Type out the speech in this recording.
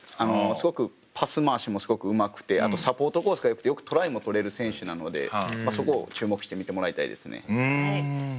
すごくパス回しもすごくうまくてあとサポートコースがよくてよくトライも取れる選手なのでそこを注目して見てもらいたいですね。